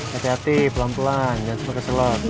hati hati pelan pelan jangan semua keselur